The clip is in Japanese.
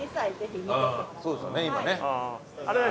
そうですよね今ね。